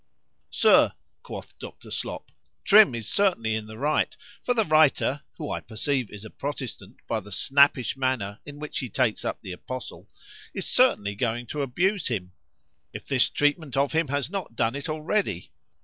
Sir, quoth Dr. Slop, Trim is certainly in the right; for the writer (who I perceive is a Protestant) by the snappish manner in which he takes up the apostle, is certainly going to abuse him;—if this treatment of him has not done it already.